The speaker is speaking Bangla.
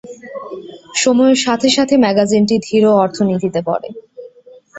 সময়ের সাথে সাথে ম্যাগাজিনটি ধীর অর্থনীতিতে পড়ে।